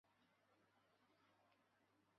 你曾说过害怕回到当初